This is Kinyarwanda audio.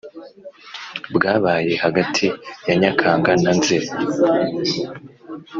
bwabaye hagati ya nyakanga na nzeri